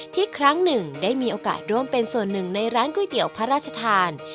ครั้งหนึ่งได้มีโอกาสร่วมเป็นส่วนหนึ่งในร้านก๋วยเตี๋ยวพระราชทาน